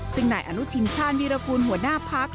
สิ่งไหนอนุทินชาญวีรกูลหัวหน้าภักษ์